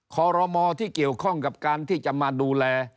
คอรมอที่เกี่ยวข้องกับการที่จะมาดูแล